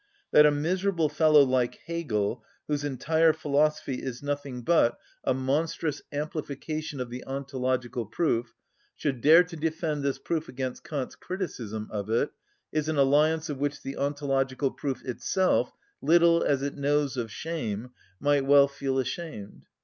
"That a miserable fellow like Hegel, whose entire philosophy is nothing but a monstrous amplification of the ontological proof, should dare to defend this proof against Kant's criticism of it is an alliance of which the ontological proof itself, little as it knows of shame, might well feel ashamed.